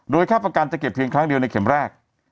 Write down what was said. ค่าประกันจะเก็บเพียงครั้งเดียวในเข็มแรก